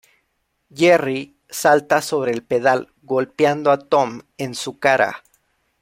Jerry salta sobre el pedal golpeando a Tom en su cara.